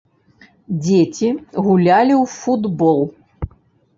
Дзеці гулялі ў футбол.